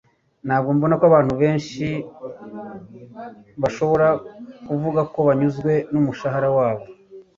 ntabwo mbona ko abantu benshi bashobora kuvuga ko banyuzwe numushahara wabo